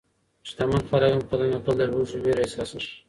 شتمن خلک هم کله ناکله د لوږې وېره احساسوي.